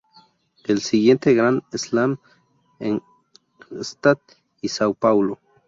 El siguiente Grand Slam en Gstaad y Sao Paulo.